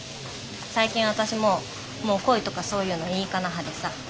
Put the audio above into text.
最近私ももう恋とかそういうのいいかな派でさ。